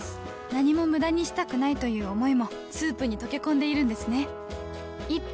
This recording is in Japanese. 何も無駄にしたくないという想いもスープに溶け込んでいるんですね